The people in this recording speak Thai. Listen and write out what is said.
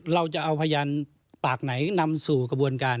เราจะเอาพยานปากไหนนำสู่กระบวนการ